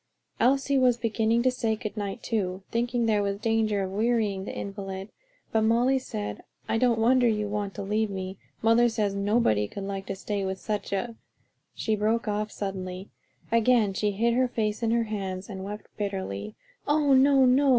Elsie was beginning to say good night too, thinking there was danger of wearying the invalid, but Molly said, "I don't wonder you want to leave me; mother says nobody could like to stay with such a " she broke off suddenly, again hid her face in her hands and wept bitterly. "Oh, no, no!